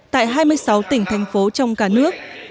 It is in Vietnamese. tại hai mươi sáu tỉnh thành phố trong cả nước